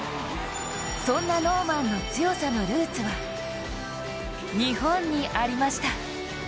そんなノーマンの強さのルーツは日本にありました。